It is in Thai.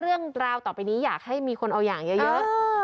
เรื่องราวต่อไปนี้อยากให้มีคนเอาอย่างเยอะ